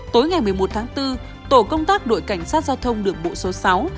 tối ngày một mươi một tháng bốn tổ công tác đội cảnh sát giao thông đường bộ số sáu